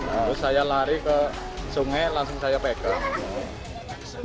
terus saya lari ke sungai langsung saya pegang